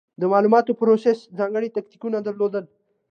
د مالوماتو پروسس ځانګړې تکتیکونه درلودل.